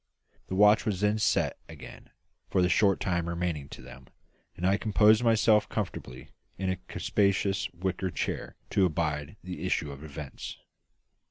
The watch was then sent below again for the short time remaining to them, and I composed myself comfortably in a capacious wicker chair to abide the issue of events.